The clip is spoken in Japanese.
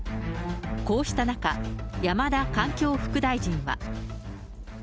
こうした中、山田環境副大臣は。